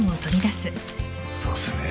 そうっすね。